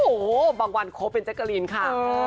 โอ้โหบางวันครบเป็นแจ๊กกะลีนค่ะ